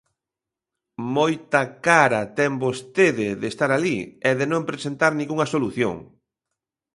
Moita cara ten vostede de estar alí e de non presentar ningunha solución.